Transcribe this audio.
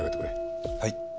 はい。